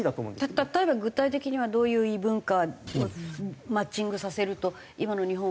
例えば具体的にはどういう異文化マッチングさせると今の日本は復活できると思いますか？